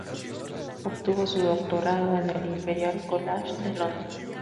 Obtuvo su doctorado en el Imperial College de Londres.